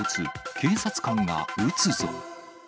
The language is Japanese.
警察官が撃つぞ。